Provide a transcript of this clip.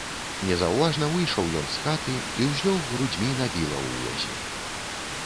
Незаўважна выйшаў ён з хаты і ўзлёг грудзьмі на біла ў возе.